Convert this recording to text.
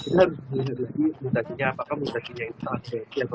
sebenarnya lagi mutasinya apakah mutasinya itu aset atau tidak